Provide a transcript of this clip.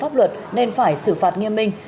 pháp luật nên phải xử phạt nghiêm minh